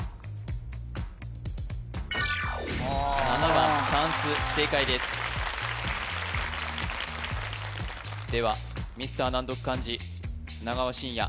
番たんす正解ですではミスター難読漢字砂川信哉